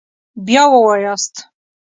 بیا ووایاست